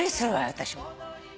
私も。